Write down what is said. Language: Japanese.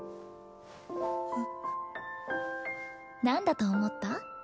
なんだと思った？